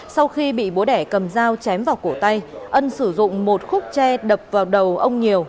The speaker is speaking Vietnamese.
sau khi bị bố đẻ cầm dao chém vào cổ tay ân sử dụng một khúc tre đập vào đầu ông nhiều